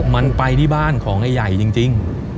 มันไปที่บ้านของไอ้ใหญ่จริง